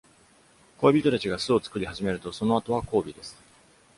恋人達が巣を作り始めると、その後は交尾です。